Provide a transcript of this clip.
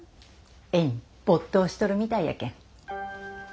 絵にぼっ頭しとるみたいやけん。